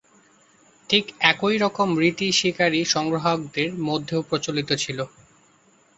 ঠিক একই রকম রীতি শিকারী-সংগ্রাহকদের মধ্যেও প্রচলিত ছিল।